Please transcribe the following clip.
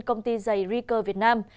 công ty dày riker việt nam